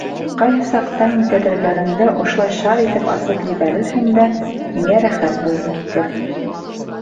Ҡайһы саҡта һин тәҙрәләреңде ошолай шар итеп асып ебәрерһең дә, һиңә рәхәт булып китер...